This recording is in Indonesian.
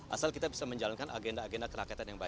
asal kita bisa menjalankan agenda agenda